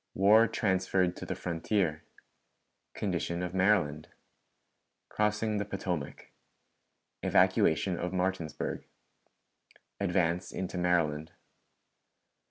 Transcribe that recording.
War transferred to the Frontier. Condition of Maryland. Crossing the Potomac. Evacuation of Martinsburg. Advance into Maryland.